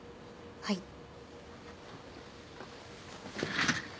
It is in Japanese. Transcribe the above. はい。